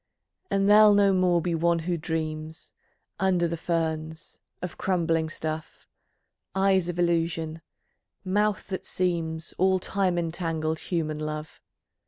And there'll no more be one who dreams Under the ferns, of crumbling stuff, Eyes of illusion, mouth that seems, All time entangled human love.